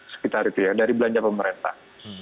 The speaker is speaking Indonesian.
sekitar itu ya dari belanja pemerintah